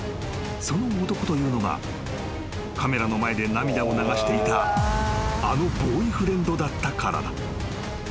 ［その男というのがカメラの前で涙を流していたあのボーイフレンドだったからだ］